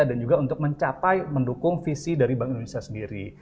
dan juga untuk mencapai mendukung visi dari bank indonesia sendiri